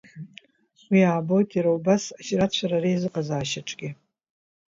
Уи аабоит иара убас ажьрацәара реизыҟазаашьаҿгьы.